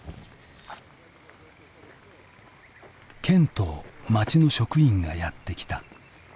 県と町の職員がやって来た。